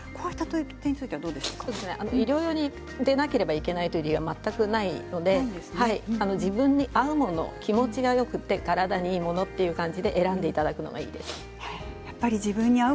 医療用でなければいけないということは全くないので自分に合うもの気持ちがよくて体にいいものという感じで選んでいただくのがいいと思います。